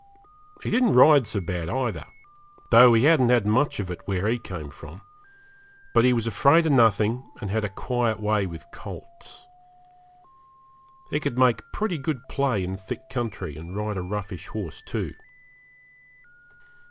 He didn't ride so bad either, though he hadn't had much of it where he came from; but he was afraid of nothing, and had a quiet way with colts. He could make pretty good play in thick country, and ride a roughish horse, too.